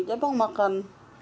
tapi aku makan